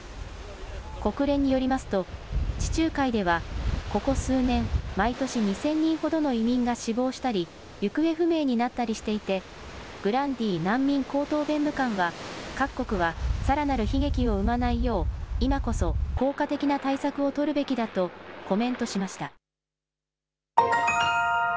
国連によりますと、地中海では、ここ数年、毎年２０００人ほどの移民が死亡したり、行方不明になったりしていて、グランディ難民高等弁務官は、各国はさらなる悲劇を生まないよう、今こそ効果的な対策を取るべきだと、コメントしました。